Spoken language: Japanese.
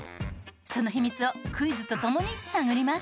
その秘密をクイズと共に探ります。